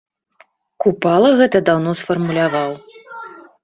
Купала гэта даўно сфармуляваў.